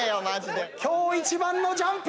今日一番のジャンプ！